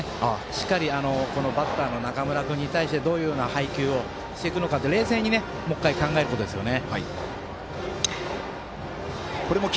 しっかり、バッターの中村君に対してどういう配球をしていくか冷静にもう１回考えることですね。